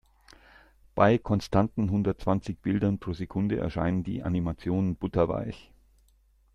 Bei konstanten hundertzwanzig Bildern pro Sekunde erscheinen die Animationen butterweich.